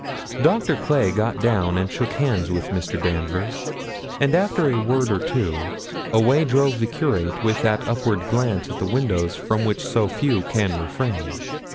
Doctor Clay got down, and shook hands with Mr. Danvers; and after a word or two, away drove the Curate with that upward glance at the windows from which so few can refrain.